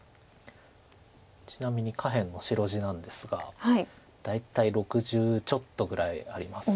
ちなみに下辺の白地なんですが大体６０ちょっとぐらいあります。